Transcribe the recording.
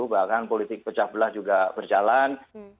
bahkan politik pecah belah juga berjalan